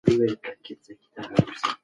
ماشوم د بندې دروازې تر شا په انتظار ولاړ دی.